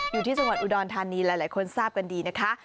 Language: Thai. อยู่ที่จังหวัดอุดรธานีหลายคนทราบกันดีนะคะ